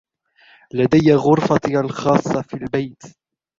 لدي غرفتي الخاصة في البيت